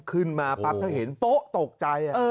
ขึ้นมาปั๊บถ้าเห็นโป๊ะตกใจ